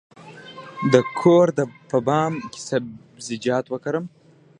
د کور په بام کې سبزیجات وکرم؟